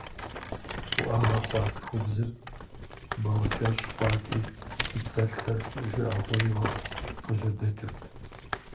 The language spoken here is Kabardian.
Уӏэгъэ хъуа цӏыхубзыр бауэкӏэщӏ хъуати къипсэлъхэр жыӏэгъуейуэ къыжьэдэкӏырт.